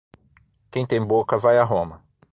Quem tem boca, vaia Roma